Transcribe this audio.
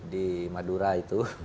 di madura itu